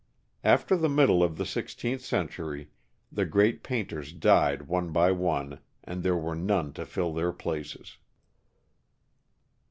After the middle of the sixteenth century, the great painters died one by one, and there were none to fill their places.